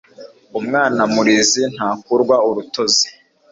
umwna murizi ntakurwa urutozi